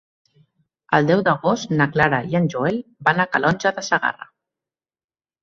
El deu d'agost na Clara i en Joel van a Calonge de Segarra.